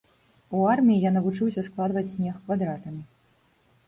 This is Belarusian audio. У арміі я навучыўся складваць снег квадратамі.